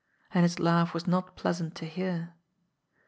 And his laugh was not pleasant to hear.